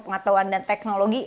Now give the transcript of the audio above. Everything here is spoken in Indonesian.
pengetahuan dan teknologi